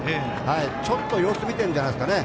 ちょっと様子を見ているんじゃないですかね。